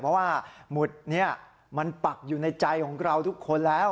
เพราะว่าหมุดนี้มันปักอยู่ในใจของเราทุกคนแล้ว